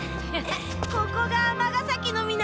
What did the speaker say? ここが尼崎の港。